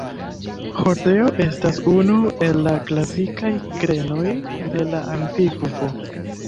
Hordeo estas unu el la klasikaj grenoj de la antikvo.